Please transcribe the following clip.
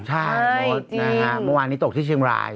ใช่มันวันนี้ตกที่เชียงราย